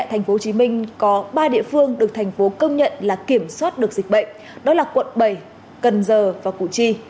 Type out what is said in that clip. tp hcm có ba địa phương được thành phố công nhận là kiểm soát được dịch bệnh đó là quận bảy cần giờ và củ chi